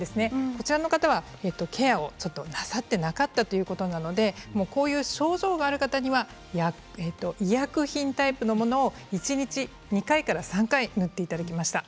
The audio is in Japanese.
こちらの方は、ケアをなさっていなかったということなのでこういう症状がある方には医薬品タイプのものを一日２回から３回塗っていただきました。